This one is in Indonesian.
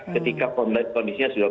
ketika kondisinya sudah